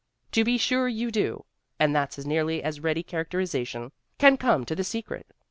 To be sure you do ! And that's as near as ready characterization can come to the secret!